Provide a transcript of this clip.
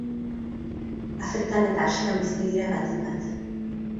Afrikan eta Asian bizi dira batik bat.